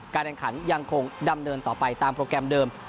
แข่งขันยังคงดำเนินต่อไปตามโปรแกรมเดิม